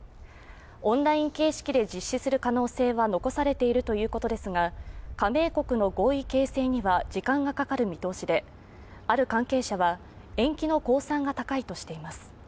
オンライン形式で実施する可能性は残されているということですが加盟国の合意形成には時間がかかる見通しで、ある関係者は、延期の公算が高いとしています。